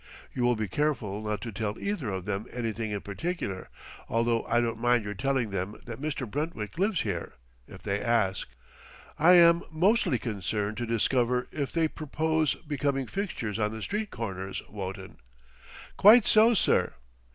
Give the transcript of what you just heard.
You will be careful not to tell either of them anything in particular, although I don't mind your telling them that Mr. Brentwick lives here, if they ask. I am mostly concerned to discover if they purpose becoming fixtures on the street corners, Wotton." "Quite so, sir."